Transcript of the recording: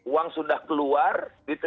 uang sudah keluar